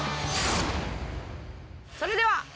それでは。